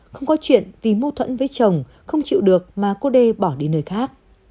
không có chuyện vì mô thuẫn với chồng không chịu được mà cô đề bỏ đi nơi khác